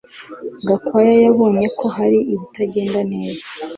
Gakwaya yabonye ko hari ibitagenda neza